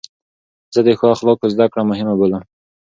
زه د ښو اخلاقو زدکړه مهمه بولم.